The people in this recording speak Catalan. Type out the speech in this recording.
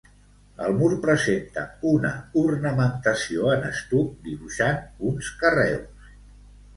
El mur presenta una ornamentació en estuc dibuixant uns carreus.